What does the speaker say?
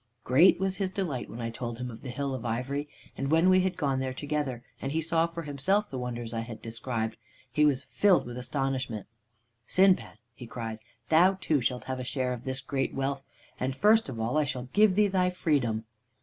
"Great was his delight when I told him of the Hill of Ivory, and when we had gone there together, and he saw for himself the wonders I had described, he was filled with astonishment. "'Sindbad,' he cried, 'thou too shalt have a share of this great wealth. And first of all I shall give thee thy, freedom.